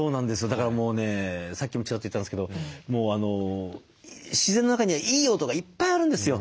だからもうねさっきもチラッと言ったんですけど自然の中にはいい音がいっぱいあるんですよ。